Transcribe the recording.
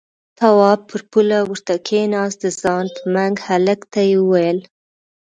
تواب پر پوله ورته کېناست، د ځان په منګ هلک ته يې وويل: